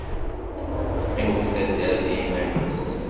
Teqqim deg taddart i yiman-nnes.